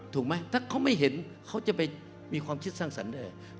ถูกไหมถ้าเขาไม่เห็นเขาจะไปมีความคิดสร้างสรรค์ได้